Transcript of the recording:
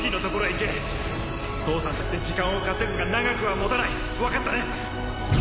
行け父さん達で時間を稼ぐが長くは持たない分かったね？